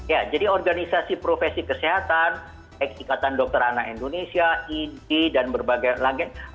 ya jadi organisasi profesi kesehatan eksikatan dokter anak indonesia idi dan berbagai lagi